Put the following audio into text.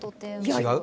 違う？